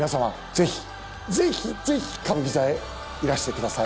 ぜひぜひぜひ歌舞伎座へいらしてください。